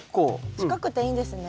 近くていいんですね。